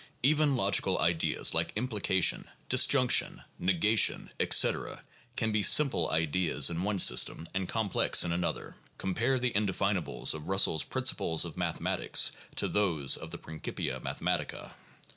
Even logical ideas like "implication," "disjunction," "negation," etc., can be simple ideas in one system, and complex in another. (Compare the indefinables of Bussell's "Principles of Mathematics" with those of the "Principia Mathematica.")